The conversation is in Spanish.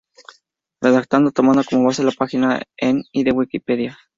Redactado tomando como base la página en y de Wikipedia.